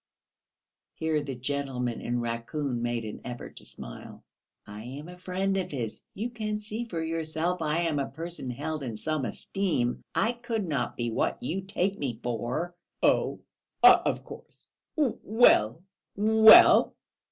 (Here the gentleman in raccoon made an effort to smile.) "I am a friend of his; you can see for yourself I am a person held in some esteem; I could not be what you take me for." "Oh, of course. Well, well!"